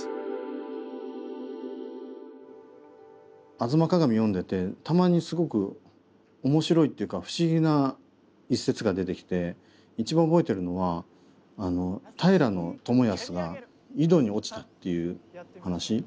「吾妻鏡」読んでてたまにすごく面白いっていうか不思議な一節が出てきて一番覚えてるのはあの平知康が井戸に落ちたっていう話。